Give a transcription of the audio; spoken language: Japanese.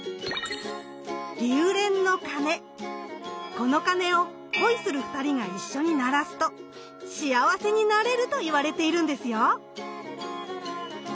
この鐘を恋する２人が一緒に鳴らすと幸せになれるといわれているんですよ。